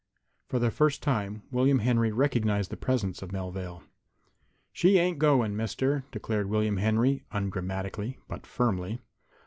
For the first time William Henry recognized the presence of Melvale. "She ain't going, Mister," declared William Henry, ungrammatically, but firmly.